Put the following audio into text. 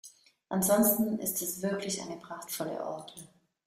Ansonsten ist es wirklich eine prachtvolle Orgel.